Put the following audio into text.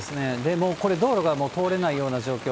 もうこれ、道路が通れないような状況。